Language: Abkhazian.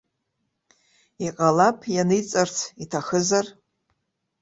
Иҟалап, ианиҵарц иҭахызар.